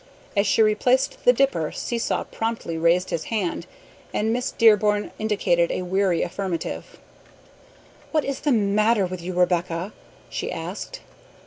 As she replaced the dipper Seesaw promptly raised his hand, and Miss Dearborn indicated a weary affirmative. "What is the matter with you, Rebecca?" she asked.